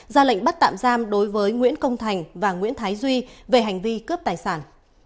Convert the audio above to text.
ra lệnh bắt tạm giam đối với nguyễn công thành và nguyễn thái duy về hành vi cướp tài sản